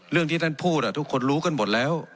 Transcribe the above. เรื่องที่ท่านพูดทุกคนรู้กันหมดแล้ว